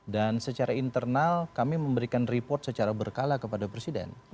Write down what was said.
dan secara internal kami memberikan report secara berkala kepada presiden